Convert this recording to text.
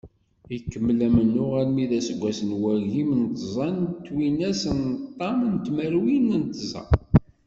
Ikemmel amennuɣ armi d aseggas n wagim d tẓa twinas d ṭam tmerwin d tẓa.